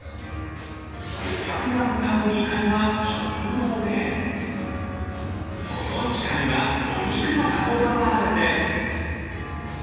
お客が向かう２階が食堂で、その地下には、お肉の加工場があるんです。